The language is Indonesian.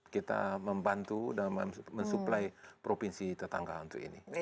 kita membantu dalam mensuplai provinsi tetangga untuk ini